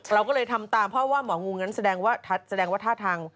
เราก็เลยทำตามเพราะว่าหมองูงั้นแสดงว่าแสดงว่าท่าทาง